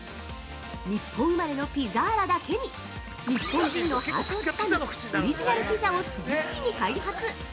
日本生まれのピザーラだけに日本人のハートをつかむオリジナルピザを次々に開発。